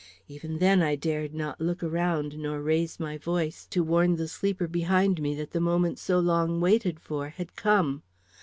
Even then I dared not look around nor raise my voice to warn the sleeper behind me that the moment so long waited for had come.